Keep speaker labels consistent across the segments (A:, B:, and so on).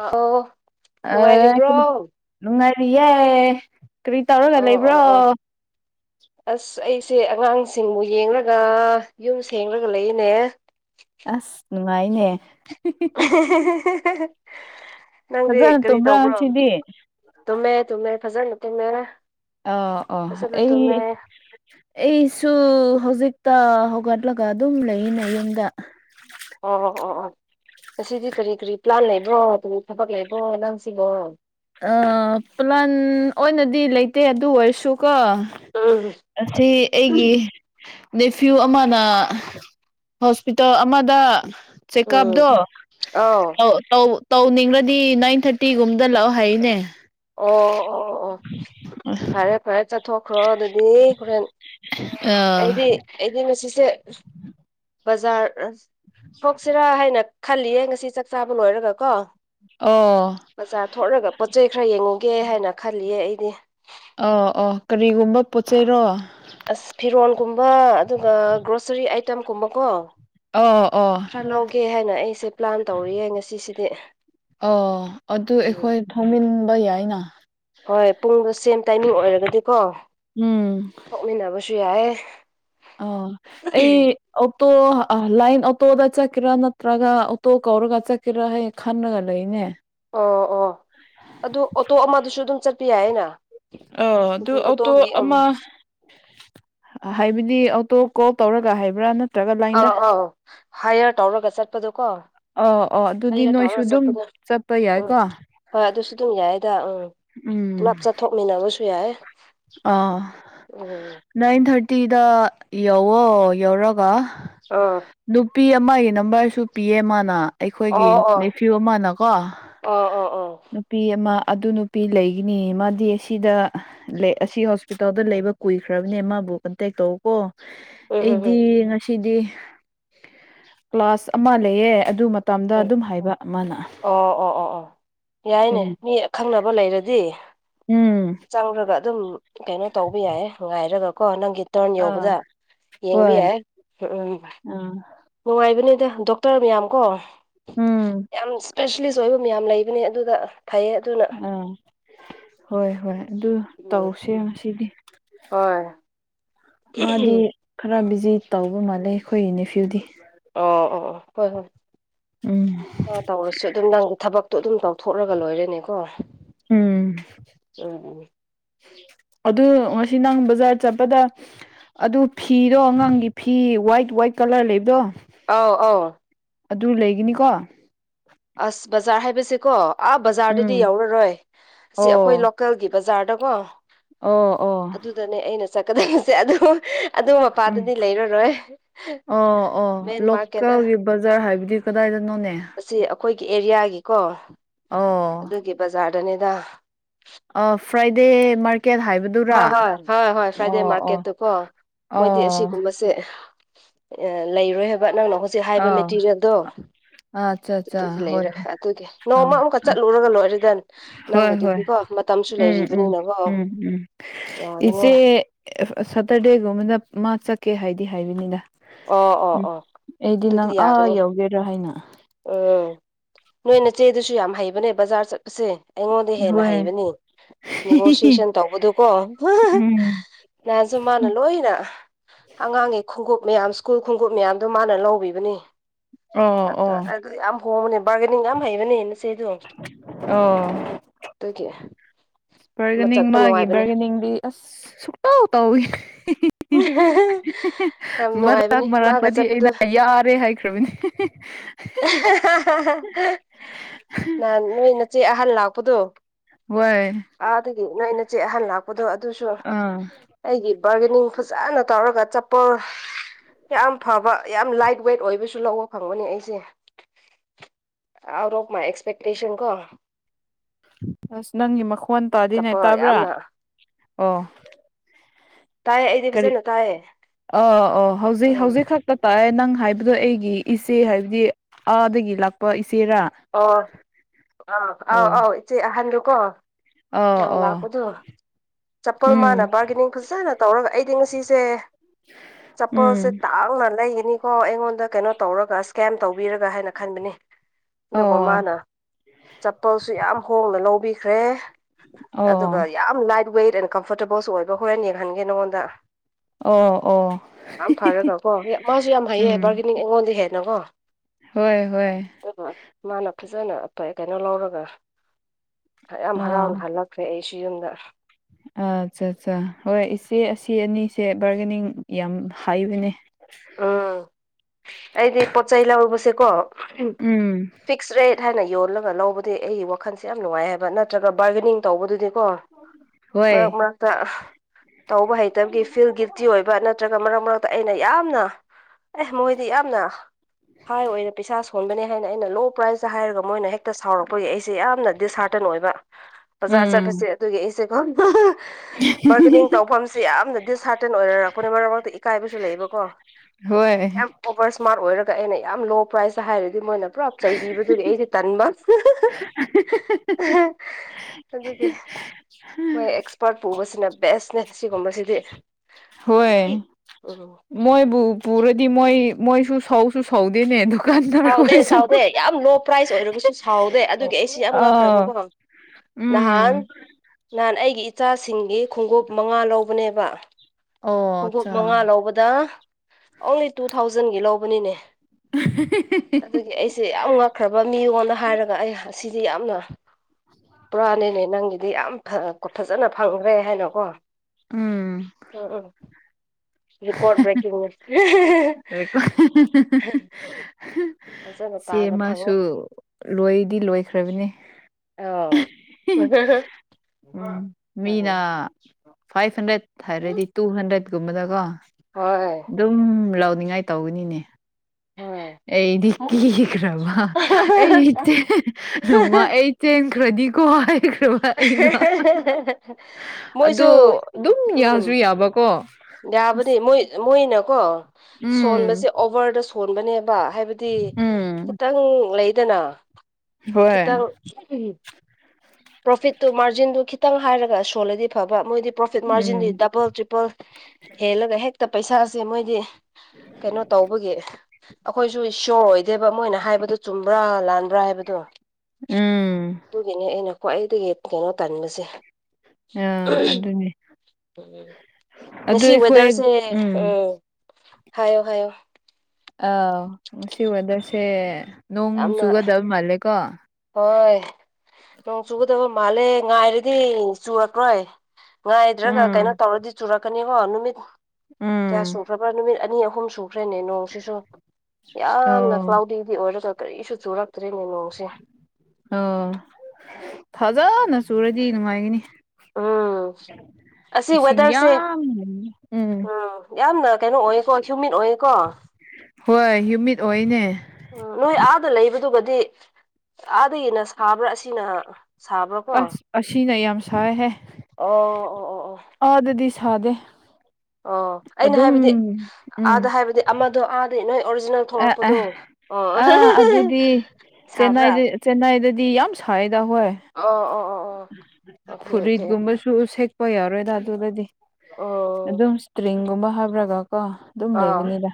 A: ꯑ ꯑꯣ [unintelligible] [inaudible]
B: ꯑꯥ
A: ꯅꯨꯡꯉꯥꯏꯔꯤꯕ꯭ꯔꯣ
B: [unintelligible]
A: ꯑꯣ
B: ꯅꯨꯡꯉꯏꯔꯤꯌꯦ
A: ꯑ ꯑꯣ ꯑꯣ ꯑꯁ ꯑꯩꯁꯦ ꯑꯉꯥꯡꯁꯤꯡꯕꯨ ꯌꯦꯡꯔꯒꯥ ꯌꯨꯝ ꯁꯦꯡꯔꯥꯒ ꯂꯩꯌꯦꯅꯦ
B: ꯑꯁ ꯅꯨꯡꯉꯥꯏꯅꯦ ꯍꯤꯍꯤꯍꯤꯍꯤ
A: [unintelligible] ꯅꯪꯗꯤ
B: ꯐꯖꯅ
A: ꯀꯔꯤ
B: ꯇꯨꯝꯕ꯭ꯔꯥ
A: ꯇꯧꯕ꯭ꯔꯣ
B: ꯉꯁꯤꯗꯤ
A: ꯇꯨꯝꯃꯦ ꯇꯨꯝꯃꯦ ꯐꯖꯟꯅꯥ ꯇꯨꯃꯃꯦ
B: ꯑ ꯑꯣ ꯑꯩ ꯑꯩꯁꯨ ꯍꯧꯖꯤꯛꯇ ꯍꯧꯒꯠꯂꯒ ꯑꯗꯨꯝ ꯂꯩꯌꯦꯅꯦ ꯌꯨꯝꯗ
A: ꯑꯣ ꯑꯣ ꯑꯣ ꯑꯣ ꯑꯁꯤꯗꯤ ꯀꯔꯤ ꯀꯔꯤ ꯄ꯭ꯂꯥꯟ ꯂꯩꯕ꯭ꯔꯣ ꯀꯔꯤ ꯊꯕꯛ ꯂꯩꯕ꯭ꯔꯣ ꯅꯪꯁꯤꯕꯣ
B: ꯑꯥ ꯄ꯭ꯂꯥꯟ ꯑꯣꯏꯅꯗꯤ ꯂꯩꯇꯦ ꯑꯗꯨ ꯑꯣꯏꯔꯁꯨꯀꯣ
A: ꯎꯝ
B: [unintelligible] ꯑꯊꯤ ꯑꯩꯒꯤ ꯅꯦꯐ꯭ꯌꯨ ꯑꯃꯅ ꯍꯣꯁꯄꯤꯇꯥꯜ ꯑꯃꯗ
A: ꯎꯝ
B: ꯆꯦꯛꯑꯞꯗꯣ
A: ꯑꯥꯎ
B: ꯇꯧ ꯇꯧ ꯇꯧꯅꯤꯡꯂꯗꯤ ꯅꯥꯏꯟ ꯊꯥꯔꯇꯤꯒꯨꯝꯗ ꯂꯥꯛꯑꯣ ꯍꯥꯏꯅꯦ
A: ꯑꯣ ꯑꯣ ꯑꯣ ꯑꯣ ꯑꯣ ꯐꯔꯦ ꯐꯔꯦ ꯆꯠꯊꯣꯛꯈ꯭ꯔꯣ ꯑꯗꯨꯗꯤ ꯍꯣꯔꯦꯟ
B: ꯑ
A: ꯑꯩꯗꯤ ꯑꯩꯗꯤ ꯉꯁꯤꯁꯦ ꯕꯖꯥꯔ ꯊꯣꯛꯁꯤꯔꯥ ꯍꯥꯏꯅ ꯈꯜꯂꯤꯌꯦ ꯉꯁꯤ ꯆꯥꯛ ꯆꯥꯕ ꯂꯣꯏꯔꯒ ꯀꯣ
B: ꯑꯣ
A: ꯕꯖꯥꯔ ꯊꯣꯛꯂꯒ ꯄꯣꯠꯆꯩ ꯈꯔꯥ ꯌꯦꯡꯉꯨꯒꯦ ꯍꯥꯏꯅ ꯈꯜꯂꯤꯌꯦ ꯑꯩꯗꯤ
B: ꯑ ꯑꯣ ꯀꯔꯤꯒꯨꯝꯕ ꯄꯣꯠ ꯆꯩꯔꯣ
A: ꯑꯁ ꯐꯤꯔꯣꯜꯒꯨꯝꯕ ꯑꯗꯨꯒ ꯒ꯭ꯔꯣꯁꯔꯤ ꯑꯥꯏꯇꯦꯝꯒꯨꯝꯕꯀꯣ
B: ꯑꯣ ꯑꯣ
A: ꯈꯔꯥ ꯂꯧꯒꯦ ꯍꯥꯏꯅ ꯑꯩꯁꯦ ꯄ꯭ꯂꯥꯟ ꯇꯧꯔꯤꯌꯦ ꯉꯁꯤꯁꯤꯗꯤ
B: ꯑꯣ ꯑꯗꯨ
A: ꯎꯝ
B: ꯑꯩꯈꯣꯏ ꯊꯧꯃꯤꯟꯕ ꯌꯥꯏꯅ
A: ꯍꯣꯏ ꯄꯨꯡꯗ ꯁꯦꯝ ꯇꯥꯏꯃꯤꯡ ꯑꯣꯏꯔꯒꯗꯤꯀꯣ
B: ꯎꯝ
A: ꯊꯣꯛꯃꯤꯟꯅꯕꯁꯨ ꯌꯥꯏꯌꯦ
B: ꯑꯥ ꯑꯩ ꯑꯣꯇꯣ ꯑꯥ ꯂꯥꯏꯟ ꯑꯣꯇꯣꯗ ꯆꯠꯀꯦꯔꯥ ꯅꯥꯠꯇꯔꯒꯥ ꯑꯣꯇꯣ ꯀꯧꯔꯒꯥ ꯆꯥꯠꯀꯤꯔꯥ ꯍꯩ ꯈꯟꯅꯒ ꯂꯩꯅꯦ
A: ꯑꯣ ꯑꯣ ꯑꯗꯨ ꯑꯣꯇꯣ ꯑꯃꯗꯨꯁꯨ ꯑꯗꯨꯝ ꯆꯠꯄ ꯌꯥꯏꯅ
B: ꯑ ꯑꯗꯨ ꯑꯣꯇꯣ ꯑꯃ ꯍꯥꯏꯕꯗꯤ ꯑꯇꯣ ꯀꯣꯜ ꯇꯧꯔꯒ ꯍꯥꯏꯕ꯭ꯔꯥ ꯅꯠ
A: ꯑ ꯑꯧ ꯍꯥꯏꯌꯔ ꯇꯧꯔꯒ ꯆꯠꯄꯗꫭ ꯀꯣ
B: ꯑꯣ ꯑꯣ ꯑꯗꯨꯗꯤ ꯅꯣꯏꯁꯨ ꯑꯗꯨꯝ ꯆꯠꯄ
A: ꯎꯝ
B: ꯌꯥꯏꯀꯣ
A: ꯍꯣꯏ ꯑꯗꯨꯁꯨ ꯑꯗꯨꯝ ꯌꯥꯏꯗ ꯎꯝ
B: ꯎꯝ
A: ꯄꯨꯂꯞ ꯆꯠꯊꯣꯛꯃꯤꯟꯅꯕꯁꯨ ꯌꯥꯏ
B: ꯑꯥ
A: ꯎꯝ
B: ꯅꯥꯏꯟ ꯊꯥꯔꯇꯤꯗ ꯌꯧꯋꯣ ꯌꯧꯔꯒ
A: ꯑꯥ
B: ꯅꯨꯄꯤ ꯑꯃꯒꯤ ꯅꯝꯕꯔꯁꯨ ꯄꯤꯌꯦ ꯃꯥꯅ ꯑꯩꯈꯣꯏꯒꯤ
A: ꯑꯣ ꯑꯣ
B: ꯅꯦꯐꯌꯨ ꯑꯃꯅꯀꯣ
A: ꯑꯣ ꯑꯣ ꯑꯣ
B: ꯅꯨꯄꯤ ꯑꯃ ꯑꯗꯨ ꯅꯨꯄꯤ ꯂꯩꯒꯅꯤ ꯃꯥꯗꯤ ꯑꯁꯤꯗ ꯑꯁꯤ ꯍꯣꯁꯄꯤꯇꯥꯜꯗ ꯂꯩꯕ ꯀꯨꯏꯈ꯭ꯔꯕꯅꯦ ꯃꯥꯕꯨ ꯀꯟꯇꯦꯛ ꯇꯧ ꯀꯣ
A: ꯎꯝ ꯍꯝ ꯍꯝ
B: ꯑꯩꯗꯤ ꯁꯤꯗꯤ ꯀ꯭ꯂꯥꯁ ꯑꯃ ꯂꯩꯌꯦ ꯑꯗꯨ ꯃꯇꯝꯗ
A: ꯎꯝ
B: ꯑꯗꯨꯝ ꯍꯥꯏꯕ ꯑꯃꯅ
A: ꯑꯣ ꯑꯣ ꯑꯣ ꯑꯣ ꯌꯥꯏꯅꯦ ꯃꯤ ꯑꯈꯪꯅꯕ ꯂꯩꯔꯗꯤ
B: ꯎꯝ
A: ꯆꯪꯔꯒ ꯑꯗꯨꯝ ꯀꯩꯅꯣ ꯇꯧꯕ ꯌꯥꯏ ꯉꯥꯏꯔꯒꯀꯣ ꯅꯪꯒꯤ ꯇꯔꯟ
B: ꯑꯥ
A: ꯌꯧꯕꯗ ꯌꯦꯡꯕ
B: ꯍꯣꯏ
A: ꯌꯥꯏ ꯎꯝ ꯎꯝ
B: ꯑꯥ [unintelligible]
A: ꯅꯨꯡꯉꯥꯏꯕꯅꯦꯗ ꯗꯣꯛꯇꯔ ꯃꯌꯥꯝ ꯀꯣ
B: ꯎꯝ
A: ꯌꯥꯝ ꯏꯁꯄꯦꯁꯦꯂꯤꯁ ꯑꯣꯏꯕ ꯃꯌꯥꯝ ꯂꯩꯕꯅꯦ ꯑꯗꯨꯗ ꯐꯩꯌꯦ ꯑꯗꯨꯅ
B: ꯑꯥ ꯍꯣꯏ ꯍꯣꯏ ꯑꯗꯨ
A: ꯎꯝ
B: ꯇꯧꯁꯦ ꯉꯁꯤꯗꯤ
A: ꯍꯣꯏ
B: ꯃꯥꯗꯤ ꯈꯔ ꯕꯤꯖꯤ ꯇꯧꯕ ꯃꯥꯜꯂꯦ ꯑꯩꯈꯣꯏꯒꯤ ꯅꯐ꯭ꯌꯨꯗꯤ
A: ꯑꯣ ꯑꯣ ꯑꯣ ꯍꯣꯏ ꯍꯣꯏ
B: ꯎꯝ
A: ꯑꯣ ꯇꯧꯔꯁꯨ ꯑꯗꯨꯝ ꯅꯪ ꯊꯕꯛ ꯇꯣ ꯑꯗꯨꯝ ꯇꯧꯊꯣꯛꯂꯒ ꯂꯣꯏꯔꯦꯅꯦꯀꯣ
B: ꯎꯝ
A: ꯎꯝ ꯎꯝ
B: ꯑꯗꯨ ꯉꯁꯤ ꯅꯪ ꯕꯖꯥꯔ ꯆꯠꯄꯗ ꯑꯗꯨ ꯐꯤꯗꯣ ꯑꯉꯥꯡꯒꯤ ꯐꯤ ꯋꯥꯏꯠ ꯋꯥꯏꯠ ꯀꯂꯔ ꯂꯩꯕꯗꯣ
A: ꯑꯥꯎ ꯑꯥꯎ
B: ꯑꯗꯨ ꯂꯩꯒꯅꯤꯀꯣ
A: ꯑꯁ ꯕꯖꯥꯔ ꯍꯥꯏꯕꯁꯤꯀꯣ ꯑꯥ ꯕꯖꯥꯔꯗꯗꯤ
B: ꯎꯝ
A: ꯌꯥꯎꯔꯔꯣꯏ ꯁꯤ
B: ꯑꯣ
A: ꯑꯩꯈꯣꯏ [unintelligible] [unintelligible] ꯀꯣ
B: ꯑꯣ ꯑꯣ
A: ꯑꯗꯨꯅꯦ ꯑꯩꯅ ꯆꯠꯀꯗꯕꯁꯦ ꯑꯗꯨ ꯑꯗꯨ
B: ꯎꯝ
A: ꯃꯄꯥꯗꯨꯗꯤ ꯂꯩꯔꯔꯣꯏ
B: ꯑꯣ ꯑꯣ
A: ꯃꯦꯟ ꯃꯥꯔꯀꯦꯅ
B: ꯂꯣꯀꯦꯜꯒꯤ ꯕꯖꯥꯔ ꯍꯥꯏꯕꯗꯤ ꯀꯗꯥꯏꯗꯅꯣꯅꯦ
A: ꯑꯁꯤ ꯑꯩꯈꯣꯏꯒꯤ ꯑꯦꯔꯤꯌꯥꯒꯤꯀꯣ
B: ꯑꯣ
A: ꯑꯗꯨꯒꯤ ꯕꯖꯥꯔꯗꯅꯤꯗ
B: ꯐ꯭ꯔꯥꯏꯗꯦ ꯃꯥꯔꯀꯦꯠ ꯍꯥꯏꯕꯗ
A: ꯍꯣꯏ ꯍꯣꯏ ꯍꯣꯏ ꯍꯣꯏ ꯐ꯭ꯔꯥꯏꯗꯦ ꯃꯥꯔꯀꯦꯠꯇꯨ ꯀꯣ ꯃꯣꯏꯗꯤ
B: ꯑꯣ
A: ꯑꯁꯤꯒꯨꯝꯕ ꯁꯦ ꯂꯩꯔꯣꯏ ꯍꯥꯏꯕ ꯅꯪꯅ ꯍꯧꯖꯤꯛ ꯍꯥꯏꯕ
B: ꯑꯥꯎ
A: ꯃꯦꯇꯤꯔꯤꯌꯦꯜꯗꯣ
B: ꯑꯠꯆꯥ
A: [unintelligible]
B: ꯑꯠꯆꯥ
A: ꯑꯗꯨꯗꯤ
B: ꯍꯣꯏ
A: ꯂꯩꯔꯦ ꯑꯗꯨꯒꯤ
B: ꯑꯥ
A: ꯅꯣꯡꯃ ꯑꯃꯨꯛꯀ ꯆꯠꯂꯨꯔꯒ ꯂꯣꯏꯔꯦꯗ
B: ꯍꯣꯏ ꯍꯣꯏ
A: ꯅꯪꯒꯤꯗꯨꯗꯤꯀꯣ ꯃꯇꯝꯁꯨ
B: ꯎꯝ ꯎꯝ
A: ꯂꯩꯔꯤꯕꯅꯤꯅꯀꯣ
B: ꯎꯝ ꯎꯝ
A: ꯌꯥꯒꯅꯤ
B: ꯏꯆꯦ ꯁꯇꯔꯗꯦꯒꯨꯝꯕꯗ ꯃꯥ ꯆꯠꯀꯦ ꯍꯥꯏꯗꯤ ꯍꯥꯏꯕꯅꯤꯗ
A: ꯑꯣ ꯑꯣ
B: ꯎꯝ
A: ꯑꯣ
B: ꯑꯩꯗꯤ ꯅꯪ ꯑꯥ ꯌꯎꯒꯦꯔꯥ ꯍꯥꯏꯅ
A: ꯑꯣ ꯅꯣꯏ ꯅꯆꯦꯗꯨꯁꯨ ꯌꯥꯝ ꯍꯩꯕꯅꯦ ꯕꯖꯥꯔ ꯆꯠꯄꯁꯦ ꯑꯩꯉꯣꯟꯗꯩ ꯍꯦꯟꯅ
B: ꯍꯣꯏ
A: ꯍꯩꯕꯅꯤ ꯅꯦꯒꯣꯁꯤꯌꯦꯁꯟ ꯇꯧꯕꯗꯨꯀꯣ
B: ꯎꯝ
A: ꯅꯍꯥꯟꯁꯨ ꯃꯅꯥ ꯂꯣꯏꯅ ꯑꯉꯥꯡꯒꯤ ꯈꯣꯡꯎꯨꯞ ꯃꯌꯥꯝ ꯁ꯭ꯀꯨꯜ ꯈꯣꯡꯎꯨꯞ ꯃꯌꯥꯝꯗꯣ ꯃꯥꯅ ꯂꯧꯕꯤꯕꯅꯦ
B: ꯑꯣ
A: ꯑ
B: ꯑꯣ
A: ꯑꯗꯨ ꯌꯥꯝ ꯍꯣꯡꯕꯅꯦ ꯕꯥꯔꯒꯦꯅꯤꯡ ꯌꯥꯝ ꯍꯩꯕꯅꯦ ꯅꯆꯦꯗꯨ ꯑꯗꯒꯤ
B: ꯕꯔꯒꯦꯅꯤꯡ ꯃꯥꯒꯤ ꯕꯥꯔꯒꯦꯅꯤꯡꯗꯤ ꯑꯁ ꯁꯨꯛꯇꯧ ꯇꯧꯋꯤ
A: ꯎꯝ [unintelligible]
B: ꯃꯔꯥꯛ ꯃꯔꯥꯛꯅꯗꯤ
A: ꯆꯠꯄꯗꯣ
B: ꯑꯩꯅ ꯌꯥꯔꯦ ꯍꯥꯏꯈ꯭ꯔꯕꯅꯤ
A: ꯅꯍꯥꯟ ꯅꯣꯏ ꯅꯆꯦ ꯑꯍꯟ ꯂꯥꯛꯄꯗꯣ
B: ꯍꯣꯢ
A: ꯑꯗꯒꯤ ꯅꯣꯏ ꯅꯆꯦ ꯑꯍꯟ ꯂꯥꯛꯄꯗꯣ ꯑꯗꯨꯁꯨ
B: ꯑꯥ
A: ꯑꯩꯒꯤ ꯕꯥꯔꯒꯦꯅꯤꯡ ꯐꯖꯅ ꯇꯧꯔꯒ ꯆꯥꯝꯄꯥꯛ ꯌꯥꯝ ꯐꯕ ꯌꯥꯝ ꯂꯥꯏꯠ ꯋꯦꯠ ꯑꯣꯏꯕꯁꯨ ꯂꯧꯕ ꯐꯪꯕꯅꯦ ꯑꯩꯁꯦ [unintelligible] ꯑꯦꯛꯁꯄꯦꯇꯦꯁꯟ ꯀꯣ
B: ꯑꯁ ꯅꯪꯒꯤ ꯃꯈꯣꯟ ꯇꯥꯗꯦꯅꯦ
A: ꯆꯠꯄ
B: ꯇꯥꯕ꯭ꯔꯥ
A: ꯌꯥꯝꯅ
B: ꯑꯣ
A: ꯇꯥꯏꯌꯦ ꯑꯩꯗꯤ
B: ꯀꯔꯤ
A: ꯐꯖꯅ ꯇꯥꯏꯌꯦ
B: ꯑꯣ ꯑꯣ ꯍꯧꯖꯤꯛ
A: ꯎꯝ
B: ꯍꯧꯖꯤꯛꯈꯛ ꯇꯥꯏ ꯅꯪ ꯍꯥꯏꯕꯗꯣ ꯑꯩꯒꯤ ꯏꯆꯦ ꯍꯥꯏꯕꯗꯤ ꯑꯥꯗꯒꯤ ꯂꯥꯛꯄ ꯏꯆꯦꯔ
A: ꯑꯣ ꯑꯥꯎ ꯑꯥꯎ ꯑꯥꯎ ꯏꯆꯦ ꯑꯍꯟꯗꯨꯀꯣ
B: ꯑꯣ
A: ꯌꯥꯝ
B: ꯑꯣ
A: ꯂꯥꯛꯄꯗꯣ ꯆꯞꯄꯜ ꯃꯥꯅ
B: ꯎꯝ
A: ꯕꯥꯔꯒꯦꯅꯤꯡ ꯐꯖꯅ ꯇꯧꯔꯒ ꯑꯩꯗꯤ ꯉꯁꯤꯁꯦ ꯆꯥꯝꯄꯜꯁꯦ
B: ꯎꯝ
A: ꯇꯥꯡꯅ ꯂꯩꯒꯅꯤ ꯀꯣ ꯑꯩꯉꯣꯟꯗ ꯀꯩꯅꯣ ꯇꯧꯔꯒ ꯁ꯭ꯀꯦꯝ ꯇꯧꯕꯤꯔꯒ ꯍꯥꯏꯅ ꯈꯟꯕꯅꯤ ꯑꯗꯨꯒ
B: ꯑꯣ
A: ꯃꯥꯅ ꯆꯥꯝꯄꯜꯁꯨ ꯌꯥꯝ ꯍꯣꯡꯅ ꯂꯧꯕꯤꯈ꯭ꯔꯦ ꯑꯗꯨꯒ
B: ꯑꯣ
A: ꯌꯥꯝ ꯂꯥꯏꯠ ꯋꯦꯠ ꯑꯦꯟ ꯀꯝꯐꯣꯔꯇꯦꯕꯜꯁꯨ ꯑꯣꯏꯕ ꯍꯣꯔꯦꯟ ꯌꯦꯡꯍꯟꯒꯦ ꯅꯪꯉꯣꯟꯗ
B: ꯑꯣ ꯑꯣ ꯑꯣ
A: ꯌꯥꯝ ꯐꯔꯒꯀꯣ ꯃꯥꯁꯨ ꯌꯥꯝ ꯍꯩꯌꯦ
B: ꯎꯝ
A: ꯕꯥꯔꯒꯦꯅꯤꯡ ꯑꯩꯉꯣꯟꯗ ꯍꯦꯟꯅ ꯀꯣ
B: ꯍꯣꯏ ꯍꯣꯏ
A: ꯑꯗꯨꯒ ꯃꯥꯅ ꯐꯖꯅ ꯀꯩꯅꯣ ꯂꯧꯔꯒ ꯌꯥꯝ
B: ꯑꯥ
A: ꯍꯔꯥꯎ ꯍꯜꯂꯛ ꯈꯔꯦ ꯑꯩꯁꯨ ꯌꯨꯝꯗ
B: ꯑꯠꯆꯥ ꯑꯠꯆꯥ ꯍꯣꯏ ꯏꯆꯦ ꯑꯁꯤ ꯑꯅꯤꯁꯦ ꯕꯥꯔꯒꯦꯅꯤꯡ ꯌꯥꯝ ꯍꯩꯕꯅꯦ
A: ꯎꯝ ꯑꯩꯗꯤ ꯄꯣꯠ ꯆꯩ ꯂꯧꯕꯁꯦꯀꯣ
B: ꯎꯝ
A: ꯐꯤꯛꯁ ꯔꯦꯠ ꯍꯥꯏꯅ ꯌꯣꯜꯂꯒ ꯂꯧꯕꯗꯤ ꯑꯩꯒꯤ ꯋꯥꯈꯟꯁꯦ ꯌꯥꯝ ꯅꯨꯡꯉꯥꯏ ꯍꯥꯏꯕ ꯅꯠꯇ꯭ꯔꯒ ꯕꯥꯔꯒꯦꯅꯤꯡ ꯇꯧꯕꯗꯨꯗꯤ ꯀꯣ
B: ꯍꯣꯏ
A: ꯃꯥꯔꯛ ꯃꯔꯥꯛ ꯒꯣ ꯇ ꯇꯧꯕ ꯍꯩꯇꯕꯒꯤ ꯐꯤꯜ ꯒꯤꯜꯇꯤ ꯑꯣꯏꯕ ꯅꯠꯇ꯭ꯔꯒ ꯃꯔꯛ ꯃꯔꯛꯇ ꯑꯩꯅ ꯌꯥꯝ ꯌꯥꯝꯅ ꯑꯦ ꯃꯣꯏꯗꯤ ꯌꯥꯝꯅ ꯍꯥꯏ ꯑꯣꯏꯔꯦ ꯄꯩꯁꯥ ꯁꯣꯟꯕꯅꯦ ꯍꯥꯏꯅ ꯑꯩꯅ ꯂꯣ ꯄ꯭ꯔꯥꯏꯖꯇ ꯍꯥꯏꯔꯒ ꯃꯣꯏꯅ ꯍꯦꯛꯇ ꯁꯥꯎꯔꯛꯄꯒꯤ ꯑꯩꯁꯦ ꯌꯥꯝꯅ ꯗꯤꯁꯍꯥꯔꯇꯟ ꯑꯣꯏꯕ ꯕꯖꯥꯔ ꯆꯠꯄꯁꯦ
B: ꯎꯝ
A: ꯑꯗꯨꯒꯤ ꯑꯩꯁꯦ ꯒꯣ ꯕꯥꯔꯒꯦꯅꯤꯡ ꯇꯧꯐꯝꯁꯦ ꯌꯥꯝꯅ ꯗꯤꯁꯍꯥꯔꯇꯦꯟ ꯑꯣꯏꯔꯛꯄꯅꯤ ꯃꯔꯛ ꯃꯔꯛꯇ ꯏꯀꯥꯏꯕꯁꯨ ꯂꯩꯕꯀꯣ
B: ꯍꯣꯏ
A: ꯑꯣꯕꯔ ꯏꯁꯃꯥꯔꯠ ꯑꯣꯏꯔꯒ ꯑꯩꯅ ꯌꯥꯝ ꯂꯣ ꯄ꯭ꯔꯥꯏꯖꯇ ꯍꯥꯏꯔꯗꯤ ꯃꯣꯏꯅ ꯄꯨꯔꯞ ꯆꯩꯕꯤꯕꯗꯨꯒꯤ ꯑꯩꯁꯦ ꯇꯟꯕ ꯑꯗꯨꯒꯤ ꯍꯣꯏ ꯑꯦꯛꯁꯄꯔꯠ ꯄꯨꯕꯁꯤꯅ ꯕꯦꯁꯅꯦ ꯁꯤꯒꯨꯝꯕꯁꯤꯗꯤ
B: ꯍꯣꯏ
A: ꯎꯝ
B: ꯃꯣꯏꯕꯨ ꯄꯨꯔꯗꯤ ꯃꯣꯏ ꯃꯣꯏꯁꯨ ꯁꯧꯁꯨ ꯁꯧꯗꯦꯅꯦ ꯑꯗꯨ
A: ꯁꯥꯎꯗꯦ ꯁꯥꯎꯗꯦ ꯌꯥꯝ ꯂꯣ ꯄ꯭ꯔꯥꯏꯖ ꯑꯣꯏꯔꯒꯁꯨ ꯁꯥꯎꯗꯦ ꯑꯗꯨꯒꯤ ꯑꯩꯁꯨ ꯌꯥꯝ ꯉꯥꯛꯈ꯭ꯔꯕ
B: ꯑꯥ
A: ꯒꯣ ꯅꯍꯥꯟ
B: ꯎꯝ
A: ꯅꯍꯥꯟ ꯑꯩꯒꯤ ꯏꯆꯥꯁꯤꯡꯒꯤ ꯈꯣꯡꯎꯞ ꯃꯉꯥ ꯂꯧꯕꯅꯦꯕ
B: ꯑꯣ
A: ꯈꯣꯡꯎꯞ
B: ꯑꯠꯆꯥ
A: ꯃꯉꯥ ꯂꯧꯕꯗ ꯑꯣꯡꯂꯤ ꯇꯨ ꯊꯥꯎꯖꯟꯒꯤ ꯂꯧꯕꯅꯤꯅꯦ
B: [unintelligible]
A: ꯑꯗꯨꯒꯤ ꯑꯩꯁꯦ ꯌꯥꯝ ꯉꯛꯈ꯭ꯔꯕ ꯃꯤꯌꯣꯅ ꯍꯥꯏꯔꯒ ꯑꯩ ꯑꯁꯤꯗꯤ ꯌꯥꯝꯅ ꯄꯨꯔꯥꯅꯤꯅꯦ ꯅꯪꯒꯤꯗꯤ ꯌꯥꯝ ꯐꯖꯅ ꯐꯪꯈ꯭ꯔꯦ ꯍꯥꯏꯅꯀꯣ
B: ꯎꯝ
A: ꯎꯝ ꯎꯝ ꯔꯤꯄꯔꯣꯠ ꯕꯔꯦꯀꯤꯡꯅꯤ
B: [unintelligible]
A: ꯐꯖꯅ ꯇꯥꯅ ꯐꯪꯉꯦ
B: ꯁꯤꯃꯁꯨꯨ ꯂꯣꯏꯗꯤ ꯂꯣꯏꯈ꯭ꯔꯕꯅꯤ
A: ꯑꯣ [unintelligible]
B: ꯎꯝ ꯃꯤꯅ ꯐꯥꯏꯚ ꯍꯟꯗ꯭ꯔꯦꯠ ꯍꯥꯏꯔꯗꯤ ꯇꯨ ꯍꯟꯗ꯭ꯔꯦꯠꯀꯨꯝꯕꯅꯀꯣ
A: ꯍꯣꯏ
B: ꯑꯗꯨꯝ ꯂꯧꯅꯤꯡꯉꯥꯏ ꯇꯧꯒꯅꯤꯅꯦ ꯑꯩꯗꯤ ꯀꯤꯈ꯭ꯔꯕ ꯑꯩꯆꯦ ꯅꯣꯡꯃ ꯑꯩꯇꯦ ꯈ꯭ꯔꯗꯤ ꯀꯣ ꯍꯥꯏꯈ꯭ꯔꯣ ꯑꯩꯅ [unintelligible]
A: ꯃꯣꯏꯁꯨ
B: ꯑꯗꯣ ꯑꯗꯨꯝ ꯌꯥꯁꯨ ꯌꯥꯕꯀꯣ
A: ꯌꯥꯕꯗꯤ
B: ꯑꯁ
A: ꯃꯣꯏ ꯃꯣꯏꯅꯀꯣ
B: ꯎꯝ
A: ꯁꯣꯟꯕꯁꯦ ꯑꯣꯚꯔꯗ ꯁꯣꯟꯕꯅꯦꯕ ꯍꯥꯏꯕ ꯗꯤ
B: ꯎꯝ
A: ꯈꯤꯇꯪ ꯂꯩꯗꯅ
B: ꯍꯣꯏ
A: ꯈꯤꯇꯪ ꯄ꯭ꯔꯣꯐꯤꯠꯇꯨ ꯃꯥꯔꯖꯤꯟꯗꯨ ꯈꯤꯇꯪ ꯍꯥꯏꯔꯒ ꯁꯣꯜꯂꯗꯤ ꯐꯕ ꯃꯣꯏꯗꯤ ꯄ꯭ꯔꯣꯐꯤꯠ ꯃꯥꯔꯖꯤꯟꯗꯤ
B: ꯎꯝ
A: ꯗꯕꯜ ꯇ꯭ꯔꯤꯄꯜ ꯍꯦꯜꯂꯒ ꯍꯦꯛꯇ ꯄꯩꯁꯥꯁꯦ ꯃꯣꯏꯗꯤ ꯀꯩꯅꯣ ꯇꯧꯕꯒꯤ ꯑꯩꯈꯣꯏꯁꯨ ꯏꯁꯌꯣꯔ ꯑꯣꯏꯗꯦꯕ ꯑꯃꯣꯏꯅ ꯍꯥꯏꯕꯗꯣ ꯆꯨꯝꯕ꯭ꯔꯥ ꯂꯥꯟꯕ꯭ꯔꯥ ꯍꯥꯏꯕꯗꯣ
B: ꯎꯝ
A: ꯑꯗꯨꯒꯤꯅꯦ ꯑꯩꯅ ꯈ꯭ꯋꯥꯏꯗꯒꯤ ꯀꯩꯅꯣ ꯇꯟꯕꯁꯦ
B: ꯑꯥ ꯑꯗꯨꯅꯦ
A: ꯎꯝ ꯉꯁꯤ ꯋꯦꯗꯔꯁꯦ ꯎꯝ ꯍꯥꯏꯌꯣ ꯍꯥꯏꯌꯣ
B: ꯑꯥꯎ ꯉꯁꯤ ꯋꯦꯗꯔꯁꯦ ꯅꯣꯡ
A: ꯌꯥꯝꯅ
B: ꯆꯨꯒꯗꯕ ꯃꯥꯜꯂꯦꯀꯣ
A: ꯍꯣꯏ ꯅꯣꯡ ꯆꯨꯒꯗꯕ ꯃꯥꯜꯂꯦ ꯉꯥꯏꯔꯗꯤ ꯆꯨꯔꯛꯔꯣꯏ ꯉꯥꯏꯗ꯭ꯔꯒ
B: ꯎꯝ
A: ꯀꯩꯅꯣ ꯇꯧꯔꯗꯤ ꯆꯨꯔꯛꯀꯅꯤꯀꯣ ꯅꯨꯃꯤꯠ ꯀꯌꯥ
B: ꯎꯝ
A: ꯁꯨꯈ꯭ꯔꯕ꯭ꯔꯥ ꯅꯨꯃꯤꯠ ꯑꯅꯤ ꯑꯍꯨꯝ ꯁꯨ ꯈ꯭ꯔꯦꯅꯦ ꯅꯣꯡꯁꯤꯁꯨ ꯌꯥꯝꯅ
B: ꯑꯣ
A: ꯀ꯭ꯂꯥꯎꯗꯤꯗꯤ ꯑꯣꯏꯔꯒ ꯀꯔꯤꯁꯨ ꯆꯨꯔꯛꯇ꯭ꯔꯦꯅꯦ ꯅꯣꯡꯁꯦ
B: ꯑꯣ ꯐꯖꯅ ꯆꯨꯔꯗꯤ ꯅꯨꯡꯉꯥꯏꯒꯅꯤ
A: ꯎꯝ ꯑꯁꯤ
B: ꯏꯁꯤꯡ
A: ꯋꯦꯗꯔꯁꯦ
B: ꯌꯥꯝ ꯂꯩꯌꯦ ꯎꯝ
A: ꯌꯥꯝꯅ ꯀꯩꯅꯣ ꯑꯣꯏꯌꯦꯀꯣ ꯍ꯭ꯌꯨꯃꯤꯠ ꯑꯣꯏꯌꯦꯀꯣ
B: ꯍꯣꯏ ꯍ꯭ꯌꯨꯃꯤꯠ ꯑꯣꯏꯅꯦ
A: ꯎꯝ ꯅꯣꯏ ꯑꯥꯗ ꯂꯩꯕꯗꯨꯒꯗꯤ ꯑꯥꯗꯒꯤꯅ ꯁꯥꯕ꯭ꯔꯥ ꯑꯁꯤꯅ ꯁꯥꯕ꯭ꯔꯥ ꯀꯣ
B: ꯑꯁ ꯑꯁꯤꯅ ꯌꯥꯝ ꯁꯥꯏꯍꯦ
A: ꯑꯣ ꯑꯣ ꯑꯣ
B: ꯑꯥꯗꯗꯤ ꯁꯥꯗꯦ
A: ꯑꯣ ꯑꯩꯅ
B: ꯑꯗꯨꯝ
A: ꯍꯥꯏꯕꯗꯤ ꯑꯥꯗ ꯍꯥꯏꯕꯗꯤ ꯑꯃꯗꯣ ꯑꯥꯗꯤ ꯅꯣꯏ ꯑꯣꯔꯤꯖꯤꯅꯦꯜ
B: ꯑ ꯑ
A: ꯊꯣꯛꯂꯛꯄꯗꯣ ꯑꯣ
B: ꯑꯥ ꯑꯗꯨꯗꯤ
A: ꯁꯥꯕ꯭ꯔꯥ
B: ꯆꯦꯟꯅꯥꯏꯗꯤ ꯆꯦꯟꯅꯥꯏꯗꯗꯤ ꯌꯥꯝ ꯁꯥꯏꯗ ꯍꯣꯏ
A: ꯑꯣ ꯑꯣ ꯑꯣ ꯑꯣ ꯑꯣꯀꯦ ꯑꯣꯀꯦ
B: ꯐꯨꯔꯤꯠꯀꯨꯝꯕꯁꯨ ꯁꯦꯛꯄ ꯌꯥꯎꯔꯣꯏꯗ ꯑꯗꯨꯗꯗꯤ
A: ꯑꯣ
B: ꯑꯗꯨꯝ ꯏꯁꯇ꯭ꯔꯤꯡꯒꯨꯝꯕ ꯍꯥꯞꯔꯒ ꯀꯣ ꯑꯗꯨꯝ
A: ꯑꯥ
B: ꯂꯩꯕꯅꯤꯗ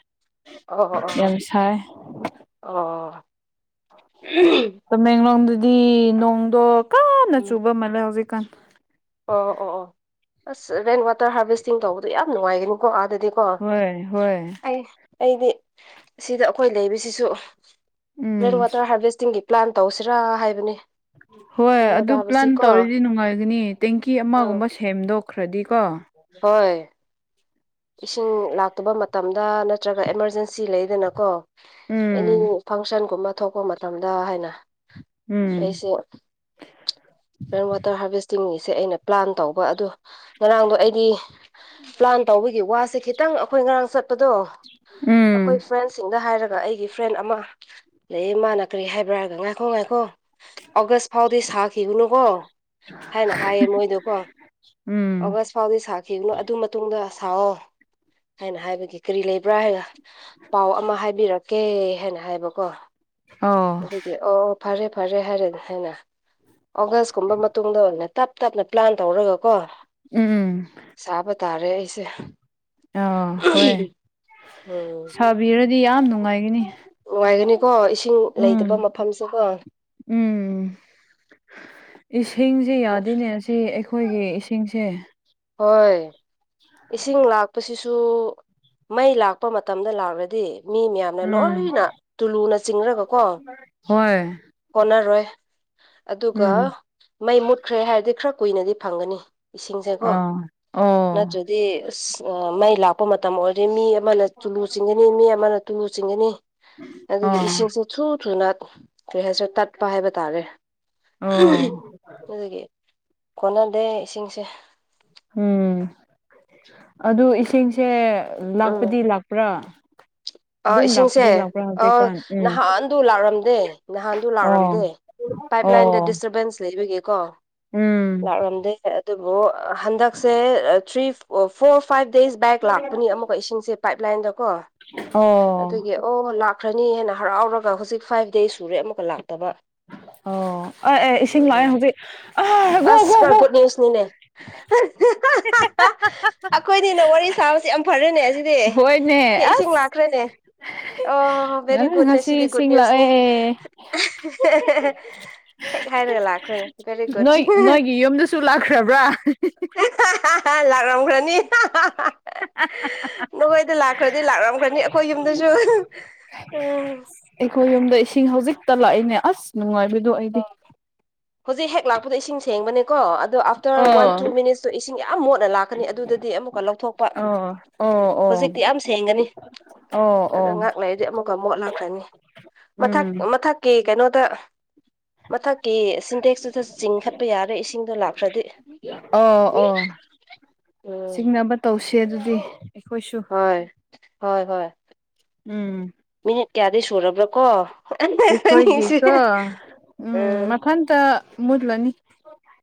A: ꯑꯣ ꯑꯣ
B: ꯌꯥꯝ ꯁꯥꯏ
A: ꯑꯣ [unintelligible]
B: ꯇꯥꯃꯦꯡꯂꯣꯡꯗꯗꯤ ꯅꯣꯡꯗꯣ ꯀꯟꯅ
A: ꯎꯝ
B: ꯆꯨꯕ ꯃꯥꯜꯂꯦ ꯍꯧꯖꯤꯛꯀꯥꯟ
A: ꯑꯣ ꯑꯣ ꯑꯣ ꯑꯁ ꯔꯦꯟ ꯋꯥꯇꯔ ꯍꯥꯚꯦꯁꯇꯤꯡ ꯇꯧꯕꯗꯣ ꯌꯥꯝ ꯅꯨꯡꯉꯥꯏꯒꯅꯤꯀꯣ ꯑꯥꯗꯗꯤ ꯀꯣ
B: ꯍꯣꯏ ꯍꯣꯏ
A: ꯑꯩ ꯑꯩꯗꯤ ꯁꯤꯗ ꯑꯩꯈꯣꯏ ꯂꯩꯕꯁꯤꯁꯨ
B: ꯎꯝ
A: ꯔꯦꯟ ꯋꯥꯇꯔ ꯍꯥꯔꯚꯦꯁꯇꯤꯡꯒꯤ ꯄ꯭ꯂꯥꯟ ꯇꯧꯁꯤꯔꯥ ꯍꯥꯏꯕꯅꯦ
B: ꯍꯣꯏ ꯑꯗꯨ ꯄ꯭ꯂꯥꯟ ꯇꯧꯔꯗꯤ ꯅꯨꯡꯉꯥꯏꯒꯅꯤ ꯇꯦꯡꯀꯤ
A: ꯎꯝ
B: ꯑꯃꯒꯨꯝꯕ ꯁꯦꯝꯗꯣꯛꯈ꯭ꯔꯗꯤꯀꯣ
A: ꯍꯣꯏ ꯏꯁꯤꯡ ꯂꯥꯛꯇꯕ ꯃꯇꯝꯗ ꯅꯠꯇ꯭ꯔꯒ ꯑꯦꯃꯥꯔꯖꯦꯟꯁꯤ ꯂꯩꯗꯅꯀꯣ ꯑꯦꯅꯤ
B: ꯎꯝ
A: ꯐꯪꯁꯟꯒꯨꯝꯕ ꯊꯣꯛꯄ ꯃꯇꯝꯗ ꯍꯥꯏꯅ
B: ꯎꯝ
A: ꯑꯩꯁꯨ ꯔꯦꯟ ꯋꯥꯇꯔ ꯍꯥꯔꯚꯦꯁꯇꯤꯡꯒꯤꯁꯦ ꯑꯩꯅ ꯄ꯭ꯂꯥꯟ ꯇꯧꯕ ꯑꯗꯣ ꯉꯔꯥꯡꯗꯣ ꯑꯩꯗꯤ ꯄ꯭ꯂꯥꯟ ꯇꯧꯕꯒꯤ ꯋꯥꯁꯦ ꯈꯤꯇꯪ ꯑꯩꯈꯣꯏ ꯉꯔꯥꯡ ꯆꯠꯄꯗꯣ
B: ꯎꯝ
A: ꯑꯩꯈꯣꯏ ꯐ꯭ꯔꯦꯟꯁ ꯁꯤꯡꯗ ꯍꯥꯏꯔꯒ ꯑꯩꯒꯤ ꯐ꯭ꯔꯦꯟ ꯑꯃ ꯂꯩꯌꯦ ꯃꯥꯅ ꯀꯔꯤ ꯍꯥꯏꯕ꯭ꯔꯥ ꯍꯥꯏꯔꯒ ꯉꯥꯏꯈꯣ ꯉꯥꯏꯈꯣ ꯑꯣꯒꯥꯁ ꯐꯥꯎꯗꯤ ꯁꯥꯈꯤꯒꯅꯨ ꯀꯣ ꯍꯥꯏꯅ ꯍꯥꯏꯌꯦ ꯃꯣꯏꯗꯣꯀꯣ
B: ꯎꯝ
A: ꯑꯣꯒꯥꯁ ꯐꯥꯎꯗꯤ ꯁꯥꯈꯤꯒꯅꯣ ꯑꯗꯨ ꯃꯇꯨꯡꯗ ꯁꯥꯎꯑꯣ ꯍꯥꯏꯅ ꯍꯥꯏꯕꯒꯤ ꯀꯔꯤ ꯂꯩꯕ꯭ꯔꯥ ꯍꯥꯏꯔ ꯄꯥꯎ ꯑꯃ ꯍꯥꯏꯕꯤꯔꯛ ꯀꯦ ꯍꯥꯏꯅ ꯍꯥꯏꯕꯀꯣ
B: ꯑꯣ
A: ꯑꯗꯨꯗꯤ ꯑꯣ ꯑꯣ ꯐꯔꯦ ꯐꯔꯦ ꯍꯥꯏꯔꯦ ꯍꯥꯏꯅ ꯑꯣꯒꯥꯁꯀꯨꯝꯕ ꯃꯇꯨꯡꯗ ꯑꯣꯢꯅ ꯇꯞ ꯇꯞꯅ ꯄ꯭ꯂꯥꯟ ꯇꯧꯔꯒ ꯀꯣ
B: ꯎꯝ
A: ꯆꯥꯕ ꯇꯥꯔꯦ ꯑꯩꯁꯦ
B: ꯑꯥ ꯍꯣꯏ
A: ꯎꯝ
B: ꯁꯥꯕꯤꯔꯗꯤ ꯌꯥꯝ ꯅꯨꯡꯉꯥꯏꯒꯅꯤ
A: ꯅꯨꯡꯉꯥꯏꯒꯅꯤꯀꯣ ꯏꯁꯤꯡ ꯂꯩꯇꯕ
B: ꯎꯝ
A: ꯃꯐꯝꯁꯤꯒꯣ
B: ꯎꯝ ꯏꯁꯤꯡꯁꯦ ꯌꯥꯗꯦꯅꯦ ꯁꯤ ꯑꯩꯈꯣꯏꯒꯤ ꯏꯁꯤꯡꯁꯦ
A: ꯍꯣꯏ ꯏꯁꯤꯡ ꯂꯥꯛꯄꯁꯤꯁꯨ ꯃꯩ ꯂꯥꯛꯄ ꯃꯇꯝꯗ ꯂꯥꯛꯂꯗꯤ ꯃꯤ ꯃꯌꯥꯝꯅ
B: ꯎꯝ
A: ꯂꯣꯏꯅ ꯇꯨꯂꯨꯅ ꯆꯤꯡꯔꯒꯀꯣ
B: ꯍꯣꯏ
A: ꯀꯣꯟꯅꯔꯣꯏ ꯑꯗꯨꯒ
B: ꯎꯝ
A: ꯃꯩ ꯃꯨꯠꯈ꯭ꯔꯦ ꯍꯥꯏꯔꯗꯤ ꯈꯔ ꯀꯨꯏꯅꯗꯤ ꯐꯪꯒꯅꯤ ꯏꯁꯤꯡꯁꯦꯀꯣ
B: ꯑꯥ ꯑꯣ
A: ꯅꯠꯇ꯭ꯔꯗꯤ ꯑꯥ ꯃꯩ ꯂꯥꯛ ꯇꯠꯄ ꯃꯇꯝ ꯑꯣꯏꯔꯗꯤ ꯃꯤ ꯑꯃꯅ ꯇꯣꯂꯨ ꯆꯤꯡꯒꯅꯤ ꯃꯤ ꯑꯃꯅ ꯇꯨꯂꯨ ꯆꯤꯡꯒꯅꯤ ꯑꯗꯨꯒꯤ
B: ꯑꯣ
A: ꯏꯁꯤꯡꯁꯨ ꯢꯊꯨ ꯊꯨꯅ ꯀꯔꯤ ꯍꯥꯏꯁꯔ ꯇꯠꯄ ꯍꯥꯏꯕ ꯇꯥꯔꯦ
B: ꯑꯣ
A: ꯑꯗꯨꯒꯤ ꯀꯣꯟꯅꯗꯦ ꯏꯁꯤꯡꯁꯦ
B: ꯎꯝ ꯑꯗꯨ ꯏꯁꯤꯡꯁꯦ
A: ꯎꯝ
B: ꯂꯥꯛꯄꯗꯤ ꯂꯥꯛꯄ꯭ꯔꯥ
A: ꯑꯥ
B: ꯑꯗꯨꯝ
A: ꯏꯁꯤꯡꯁꯦ
B: ꯂꯥꯛꯄꯗꯤ ꯂꯥꯛꯄ꯭ꯔꯥ
A: ꯑꯥ
B: ꯍꯧꯖꯤꯛꯀꯥꯟ ꯎꯝ
A: ꯅꯍꯥꯟꯗꯨ ꯂꯥꯛꯔꯝꯗꯦ ꯅꯍꯥꯟꯗꯨ
B: ꯑꯣ
A: ꯂꯥꯛꯔꯝꯗꯦ ꯄꯥꯏꯞ ꯂꯥꯏꯟꯗ
B: ꯑꯣ
A: ꯗꯤꯁꯇꯔꯕꯦꯟꯁ ꯂꯩꯕꯒꯤꯀꯣ
B: ꯎꯝ
A: ꯂꯥꯛꯂꯝꯗꯦ ꯑꯗꯨꯕꯨ ꯍꯟꯗꯛꯁꯦ three or four five days back ꯂꯥꯛꯄꯅꯤ ꯑꯃꯨꯛꯀ ꯏꯁꯤꯡꯁꯦ ꯄꯥꯏꯞ ꯂꯥꯏꯟꯗꯀꯣ
B: ꯑꯣ
A: ꯑꯗꯨꯒꯤ ꯑꯣ ꯂꯥꯛꯈ꯭ꯔꯅꯤ ꯍꯦꯟꯅ ꯍꯔꯥꯎꯔꯒ ꯍꯧꯖꯤꯛ ꯐꯥꯏꯚ ꯗꯦꯖ ꯁꯨꯔꯦ ꯑꯃꯨꯛꯀ ꯂꯥꯛꯇꯕ
B: ꯑꯣ ꯑ ꯑꯦ ꯏꯁꯤꯡ ꯂꯥꯛꯑꯦ ꯍꯧꯖꯤꯛ ꯑ ꯒꯣ ꯒꯣ ꯒꯣ
A: ꯇꯦꯁꯅꯤꯅꯦ [unintelligible] ꯑꯩꯈꯣꯏꯅꯤꯅ ꯋꯥꯔꯤ ꯁꯥꯕꯁꯦ ꯌꯥꯝ ꯐꯔꯦꯅꯦ ꯑꯁꯤꯗꯤ
B: ꯍꯣꯏꯅꯦ
A: ꯍꯦ ꯏꯁꯤꯡ
B: ꯑꯁ
A: ꯂꯥꯛꯈ꯭ꯔꯦꯅꯦ ꯑꯣ ꯕꯦꯔꯤ
B: ꯉꯔꯥꯡ
A: ꯒꯨꯠꯅꯦ ꯁꯤꯗꯤ
B: ꯉꯁꯤ
A: ꯒꯨꯠ
B: ꯏꯁꯤꯡ
A: ꯅ꯭ꯌꯨꯁꯅꯤ
B: ꯂꯥꯛꯑꯦ
A: ꯍꯦꯛ ꯍꯥꯏꯔꯒ ꯂꯥꯛꯈ꯭ꯔꯦ ꯚꯦꯔꯤ ꯒꯨꯠ
B: ꯅꯣꯏ ꯅꯣꯏꯒꯤ ꯌꯨꯝꯗꯨꯁꯨ ꯂꯥꯛꯈ꯭ꯔꯕ꯭ꯔꯥ
A: ꯂꯥꯛꯂꯝꯈ꯭ꯔꯅꯤ
B: [unintelligible]
A: ꯅꯈꯣꯏꯗ ꯂꯥꯛꯈ꯭ꯔꯗꯤ ꯂꯥꯛꯂꯝꯈ꯭ꯔꯅꯤ ꯑꯩꯈꯣꯏ ꯌꯨꯝꯗꯁꯨ ꯎꯝ
B: ꯑꯩꯈꯣꯏ ꯌꯨꯝꯗ ꯏꯁꯤꯡ ꯍꯧꯖꯤꯛꯇ ꯂꯥꯛꯏꯅꯦ ꯑꯁ ꯅꯨꯡꯉꯥꯏꯕꯗꯣ ꯑꯩꯗꯤ
A: ꯍꯧꯖꯤꯛ ꯍꯦꯛ ꯂꯥꯛꯄꯗ ꯏꯁꯤꯡ ꯁꯦꯡꯕꯅꯦꯀꯣ ꯑꯗꯣ ꯑꯥꯐꯇꯔ ꯋꯥꯟ ꯇꯨ
B: ꯑꯣ
A: ꯃꯤꯅꯤꯠꯇꯨ ꯏꯁꯤꯡ ꯌꯥꯝ ꯃꯣꯠꯅ ꯂꯥꯛꯀꯅꯤ ꯑꯗꯨꯗꯗꯤ ꯑꯃꯨꯛꯀ ꯂꯧꯊꯣꯛꯄ
B: ꯑꯣ ꯑꯣ ꯑꯣ
A: ꯍꯧꯖꯤꯛꯇꯤ ꯌꯥꯝ ꯁꯦꯡꯒꯅꯤ
B: ꯑꯣ
A: ꯑꯗ
B: ꯑꯣ
A: ꯉꯍꯥꯛꯂꯩꯗꯤ ꯑꯃꯨꯛꯀ ꯃꯣꯠ ꯂꯛꯈ꯭ꯔꯅꯤ ꯃꯊꯛ
B: ꯎꯝ
A: ꯃꯊꯛꯀꯤ ꯀꯩꯅꯣꯗ ꯃꯊꯛꯀꯤ ꯁꯤꯟꯇꯦꯛꯁꯇꯨꯗ ꯆꯤꯡꯈꯠꯄ ꯌꯥꯔꯦ ꯏꯁꯤꯡꯗꯣ ꯂꯥꯛꯈ꯭ꯔꯗꯤ
B: ꯑꯣ ꯑꯣ
A: ꯎꯝ
B: ꯆꯤꯡꯅꯕ ꯇꯧꯁꯦ ꯑꯗꯨꯗꯤ ꯑꯩꯈꯣꯏꯁꯨ
A: ꯍꯣꯏ ꯍꯣꯏ ꯍꯣꯏ
B: ꯎꯝ
A: ꯃꯤꯅꯤꯠ ꯀꯌꯥꯗꯤ ꯁꯨꯔꯕ꯭ꯔ ꯀꯣ ꯑꯅꯤꯁꯦ
B: ꯑꯩꯈꯣꯏꯒꯤꯀꯣ ꯎꯝ ꯃꯊꯟꯇ ꯃꯨꯠꯂꯅꯤ